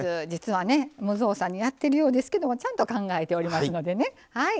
実は無造作でやってるようですけどちゃんと考えておりますのでね。